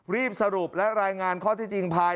รีบสรุปและรายงานข้อที่จริงภาย